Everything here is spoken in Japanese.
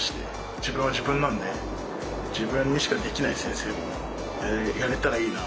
自分は自分なんで自分にしかできない先生をやれたらいいなと思ってます。